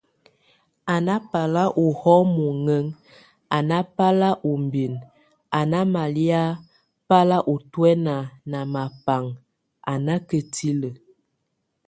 A nábal óhɔ muɛŋɛŋ, a nábal úbin, a ná malía bal otuɛna na mabaŋ a nákatile.